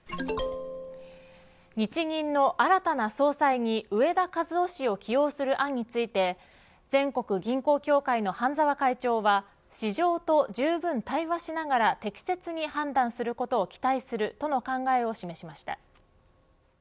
日銀の新たな総裁に植田和男氏を起用する案について全国銀行協会の半沢会長は市場とじゅうぶん対話しながら適切に判断することを期待するとの考えを示しました。